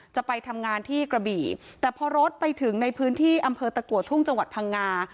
จะไปทำงานที่กระบี่แต่พอรถไปถึงในพื้นที่อำเภอตะกัวทุ่งจังหวัดพังงา